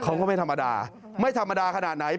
เขาก็ไม่ธรรมดาไม่ธรรมดาขนาดไหน